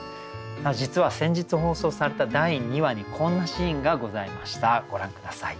実は先日放送された第２話にこんなシーンがございましたご覧下さい。